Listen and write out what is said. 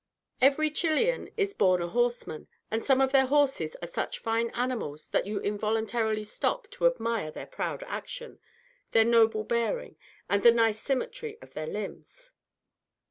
Every Chilian is born a horseman; and some of their horses are such fine animals, that you involuntarily stop to admire their proud action, their noble bearing, and the nice symmetry of their limbs.